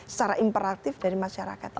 secara imperatif dari masyarakat